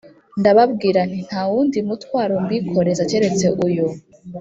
Ndababwira nti: Nta wundi mutwaro mbīkoreza keretse uyu,